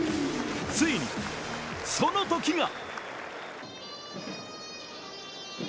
ついにその時が。